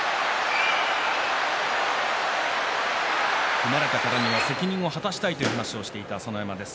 組まれたからには責任を果たしたいと話していた朝乃山です。